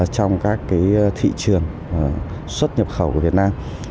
trong các thị trường xuất nhập khẩu của việt nam